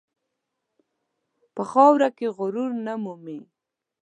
په خاوره کې غرور نه مومي.